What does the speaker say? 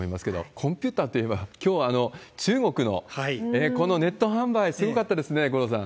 コンピューターといえば、きょう、中国のこのネット販売、すごかったですね、五郎さん。